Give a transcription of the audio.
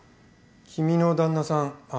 君の旦那さんあ